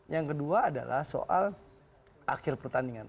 yang kedua adalah soal akhir pertandingan